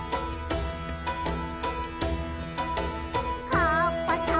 「カッパさん